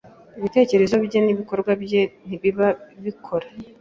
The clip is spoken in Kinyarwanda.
ibitekerezo bye n’ibikorwa bye ntibiba bikora